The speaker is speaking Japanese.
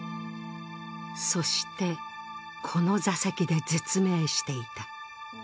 そして、この座席で絶命していた。